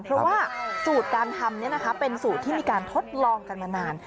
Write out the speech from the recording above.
เพราะว่าสูตรการทำเป็นสูตรที่มีการทดลองกันมานาน